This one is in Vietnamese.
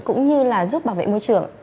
cũng như là giúp bảo vệ môi trường